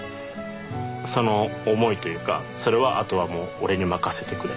その思いというかそれはあとはもう俺に任せてくれっていう。